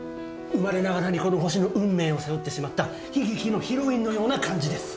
生まれながらにこの星の運命を背負ってしまった悲劇のヒロインのような感じです。